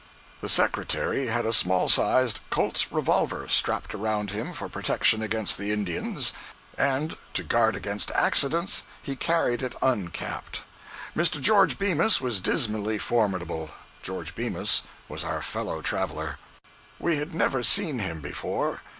The Secretary had a small sized Colt's revolver strapped around him for protection against the Indians, and to guard against accidents he carried it uncapped. Mr. George Bemis was dismally formidable. George Bemis was our fellow traveler. 023b.jpg (11K) We had never seen him before.